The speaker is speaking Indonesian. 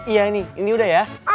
iya ini ini udah ya